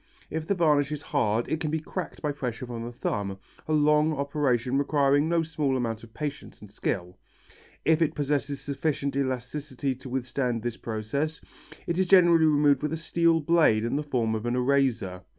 If the varnish is hard it can be cracked by pressure from the thumb, a long operation requiring no small amount of patience and skill. If it possesses sufficient elasticity to withstand this process, it is generally removed with a steel blade in the form of an eraser.